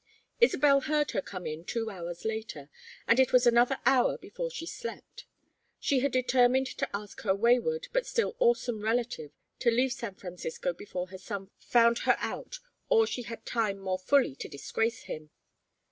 Isabel heard her come in two hours later, and it was another hour before she slept. She had determined to ask her wayward but still awesome relative to leave San Francisco before her son found her out or she had time more fully to disgrace him.